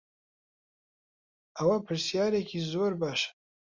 ئەوە پرسیارێکی زۆر باشە.